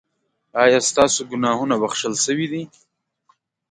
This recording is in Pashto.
ایا ستاسو ګناهونه بښل شوي دي؟